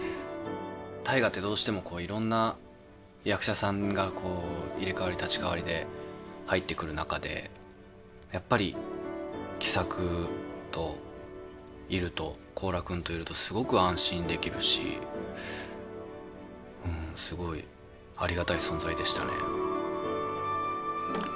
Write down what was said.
「大河」ってどうしてもいろんな役者さんが入れ代わり立ち代わりで入ってくる中でやっぱり喜作といると高良君といるとすごく安心できるしすごいありがたい存在でしたね。